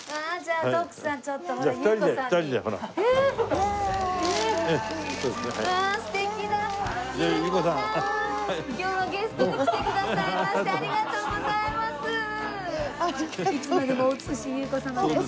ありがとうございます。